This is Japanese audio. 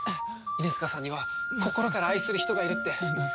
犬塚さんには心から愛する人がいるって。